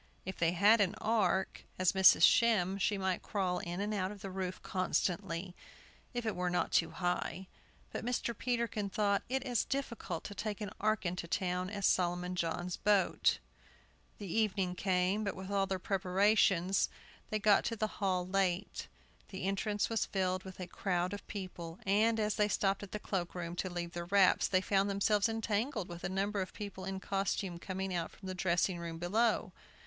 If they had an ark, as Mrs. Shem she might crawl in and out of the roof constantly, if it were not too high. But Mr. Peterkin thought it as difficult to take an ark into town as Solomon John's boat. The evening came. But with all their preparations they got to the hall late. The entrance was filled with a crowd of people, and, as they stopped at the cloakroom, to leave their wraps, they found themselves entangled with a number of people in costume coming out from a dressing room below.